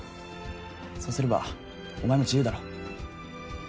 そうすればお前も自由だろ。